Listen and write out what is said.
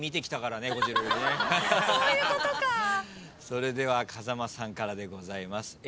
それでは風間さんからでございます。